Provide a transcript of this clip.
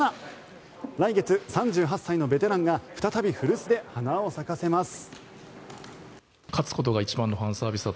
来月、３８歳のベテランが再び古巣で花を咲かせます。